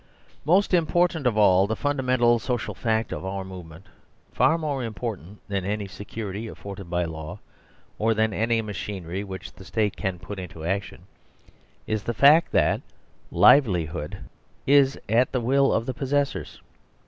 Most important of all, the fundamental social fact of our movement, far more important than any se curity afforded by law, or than any machinery which the State can put into action, is the fact that liveli hood is at the will of the possessors.